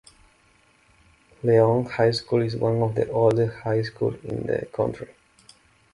Leon High School is one of the oldest high schools in the country.